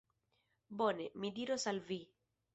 Bone, mi diros al vi.